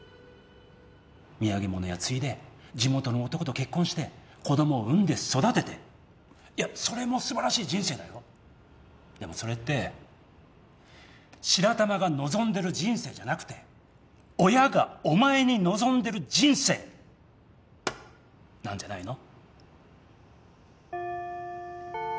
土産物屋継いで地元の男と結婚して子供を産んで育てていやそれも素晴らしい人生だよでもそれって白玉が望んでる人生じゃなくて親がお前に望んでる人生なんじゃないの？